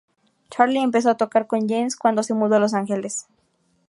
Charlie empezó a tocar con James cuando se mudó a Los Ángeles.